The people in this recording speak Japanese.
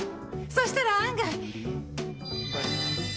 そしたら案外。